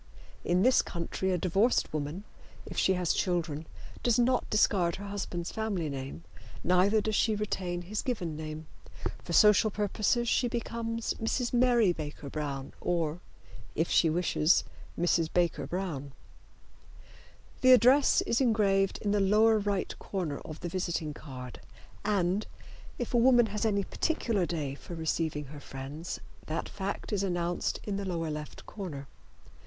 In this country a divorced woman, if she has children, does not discard her husband's family name, neither does she retain his given name. For social purposes she becomes Mrs. Mary Baker Brown or, if she wishes, Mrs. Baker Brown. The address is engraved in the lower right corner of the visiting card, and, if a woman has any particular day for receiving her friends, that fact is announced in the lower left corner.